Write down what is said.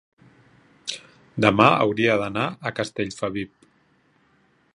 Demà hauria d'anar a Castellfabib.